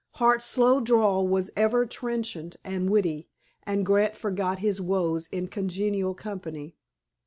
Hart's slow drawl was ever trenchant and witty, and Grant forgot his woes in congenial company.